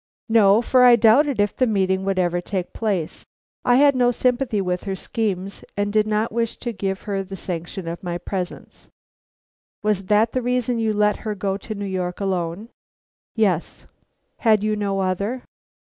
"No, for I doubted if the meeting would ever take place. I had no sympathy with her schemes, and did not wish to give her the sanction of my presence." "Was that the reason you let her go to New York alone?" "Yes." "Had you no other?"